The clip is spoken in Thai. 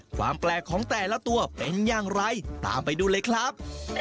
ความแปลกของแต่ละตัวเป็นอย่างไรตามไปดูเลยครับ